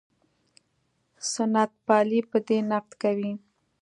سنت پالي په دې نقد کوي.